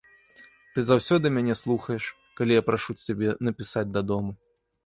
Ты заўсёды мяне слухаеш, калі я прашу цябе напісаць дадому.